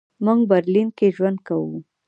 موږ برلین کې ژوند کوو.